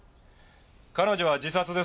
彼女は自殺です。